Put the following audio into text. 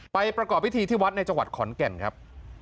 ประกอบพิธีที่วัดในจังหวัดขอนแก่นครับ